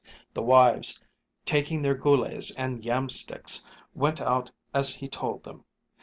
The wives, taking their goolays and yam sticks, went out as he told them.